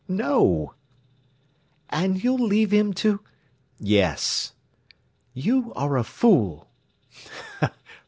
"No." "And you'll leave him to—?" "Yes." "You are a fool!"